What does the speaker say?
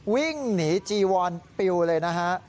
วิ่งหนีจีวอนปิวเลยนะฮะ